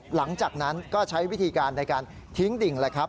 หลังจากนั้นก็ใช้วิธีการในการทิ้งดิ่งแหละครับ